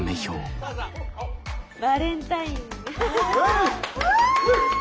バレンタイン。わ！